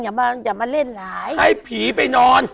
อย่ามาเล่นหลายให้ผีไปนอน